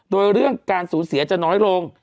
โดยเรื่องการสูญเสียจะน้อยลง